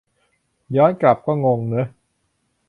ย้อนกลับ ก็งงเนอะ.